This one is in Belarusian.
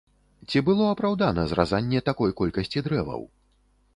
Ці было апраўдана зразанне такой колькасці дрэваў?